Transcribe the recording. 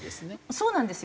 そうなんですよ。